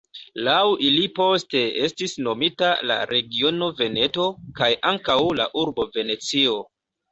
Laŭ ili poste estis nomita la regiono Veneto, kaj ankaŭ la urbo Venecio.